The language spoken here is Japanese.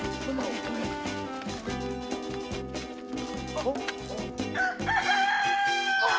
・あっ！